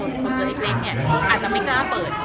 หรือเป็นคนเดียวอีกเล็กเนี่ยอาจจะไม่จำเปิด